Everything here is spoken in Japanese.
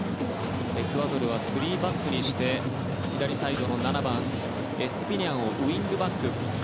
エクアドルは３バックにして左サイドの７番エストゥピニャンをウィングバックに。